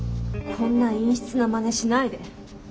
こんな陰湿なまねしないで。